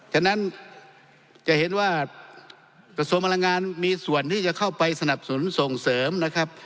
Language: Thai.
ฉะนั้นจะเห็นว่ากระทรวงพลังงานมีส่วนที่จะเข้าไปสนับสนุนส่งเสริมนะครับ